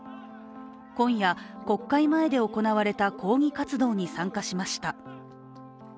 今夜、国会前で行われた抗議活動に参加しました。